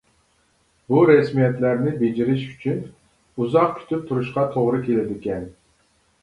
بۇ رەسمىيەتلەرنى بېجىرىش ئۈچۈن ئۇزاق كۈتۈپ تۇرۇشقا توغرا كېلىدىكەن.